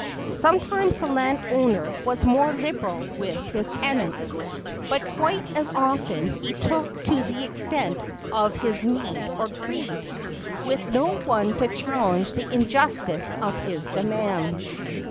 Sometimes the land owner was more liberal with his tenants; but quite as often he took to the extent of his need or greed, with no one to challenge the injustice of his demands.